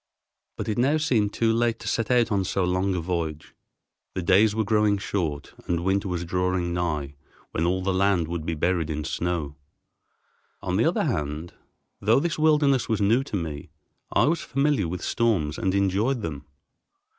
But it now seemed too late to set out on so long a voyage. The days were growing short and winter was drawing nigh when all the land would be buried in snow. On the other hand, though this wilderness was new to me, I was familiar with storms and enjoyed them.